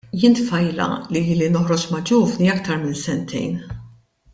Jien tfajla li ili noħroġ ma' ġuvni aktar minn sentejn.